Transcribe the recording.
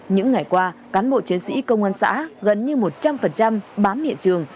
những ngày qua cán bộ chiến sĩ công an xã gần như một trăm linh bám hiện trường